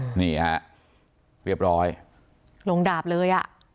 นี่ฮะเรียบร้อยลงดาบเลยอ่ะ